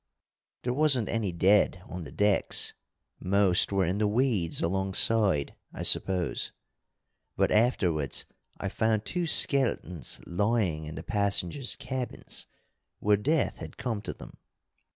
There wasn't any dead on the decks, most were in the weeds alongside, I suppose; but afterwards I found two skeletons lying in the passengers' cabins, where death had come to them.